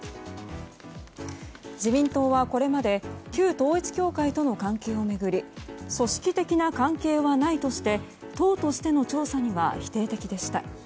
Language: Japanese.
自民党はこれまで旧統一教会との関係を巡り組織的な関係はないとして党としての調査には否定的でした。